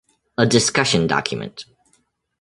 A discussion document.